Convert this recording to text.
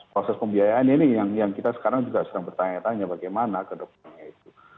proses pembiayaan ini yang kita sekarang juga sering bertanya tanya bagaimana kedokterannya itu